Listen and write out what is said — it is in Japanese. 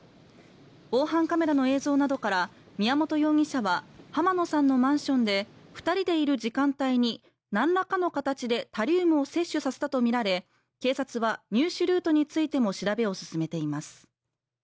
防犯カメラの映像などから宮本容疑者は濱野さんのマンションで２人でいる時間帯に何らかの形で、タリウムを摂取させたとみられ、警察は入手ルートについても調べを進めています。